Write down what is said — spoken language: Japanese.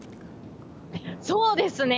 そうですね。